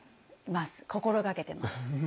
心掛けてます。